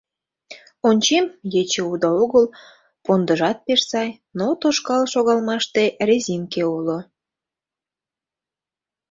Ончем: ече уда огыл, пондыжат пеш сай, но тошкал шогалмаште резинке уло.